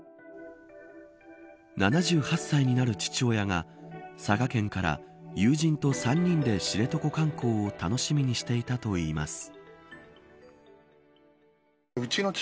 ７８歳になる父親が佐賀県から友人と３人で知床観光を楽しみにしていたといいます。